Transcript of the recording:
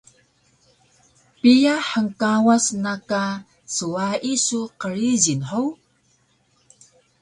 Piya hngkawas na ka swayi su qrijil hug?